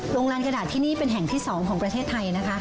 โรงงานกระดาษที่นี่เป็นแห่งที่๒ของประเทศไทยนะคะ